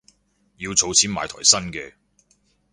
要儲錢買台新嘅